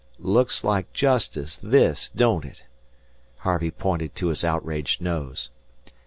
"Looks like justice, this, don't it?" Harvey pointed to his outraged nose.